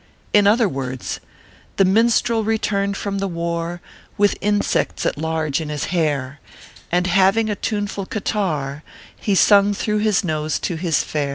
In other words :" The minstrel returned from the war, With insects at large in his hair, And having a tuneful catarrh, He sung through his nose to his fair."